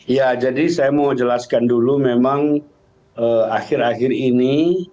ya jadi saya mau jelaskan dulu memang akhir akhir ini